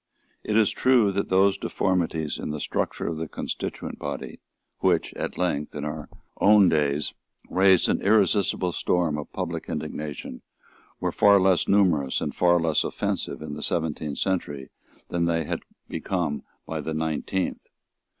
It is true that those deformities in the structure of the constituent body, which, at length, in our own days, raised an irresistible storm of public indignation, were far less numerous and far less offensive in the seventeenth century than they had become in the nineteenth.